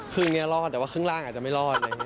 ขึ้นนี้รอดแต่ว่าขึ้นล่างอาจจะไม่รอด